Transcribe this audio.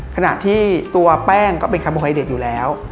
ขณะที่ตัวแป้งก็เป็นคาโบไฮเด็ดอยู่แล้ว